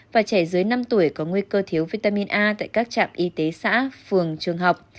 và trẻ dưới năm tuổi có nguy cơ thiếu vitamin a tại các trạm y tế xã phường trường học